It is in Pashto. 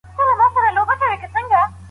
شریف خپل زوی ته د مېلې اجازه ورنه کړه.